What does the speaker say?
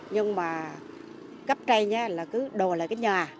nhưng mà cấp tre là cứ đòi lại cái nhà